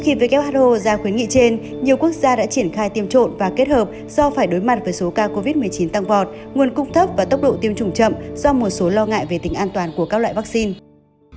khi who ra khuyến nghị trên nhiều quốc gia đã triển khai tiêm trộm và kết hợp do phải đối mặt với số ca covid một mươi chín tăng vọt nguồn cung thấp và tốc độ tiêm chủng chậm do một số lo ngại về tính an toàn của các loại vaccine